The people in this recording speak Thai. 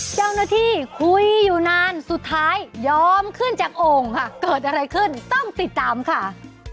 เจ้าหน้าที่คุยอยู่นานสุดท้ายยอมขึ้นจากโอ่งค่ะเกิดอะไรขึ้นต้องติดตามค่ะ